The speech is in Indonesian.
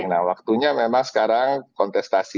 nah waktunya memang sekarang kontestasi